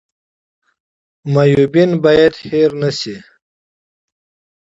معلولین باید هیر نشي